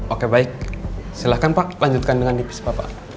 oke baik silahkan pak lanjutkan dengan nipis bapak